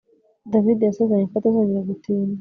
David yasezeranyije ko atazongera gutinda